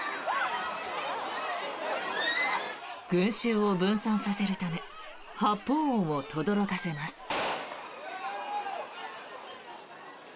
群衆を分散させるため発砲音をとどろかせます。